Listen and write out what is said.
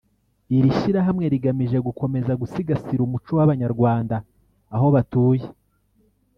Iri shyirahamwe rigamije gukomeza gusigasira umuco w’Abanyarwanda aho batuye